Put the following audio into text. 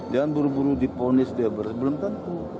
jangan buru buru diponis dia belum tentu